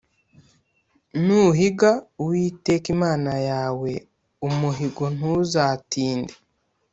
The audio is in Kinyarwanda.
nuhiga uwiteka imana yawe umuhigo ntuzatinde